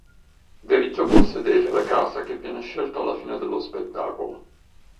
Devi già possedere la casa che viene scelta alla fine dello spettacolo.